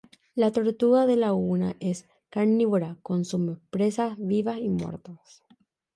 La tortuga de laguna es carnívora; consume presas vivas y muertas.